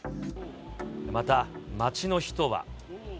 また、街の人は。